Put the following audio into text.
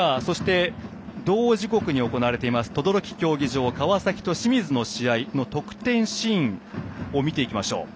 同時刻に行われています等々力競技場川崎と清水の得点シーンを見ていきましょう。